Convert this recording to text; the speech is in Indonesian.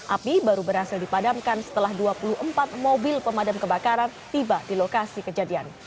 api baru berhasil dipadamkan setelah dua puluh empat mobil pemadam kebakaran tiba di lokasi kejadian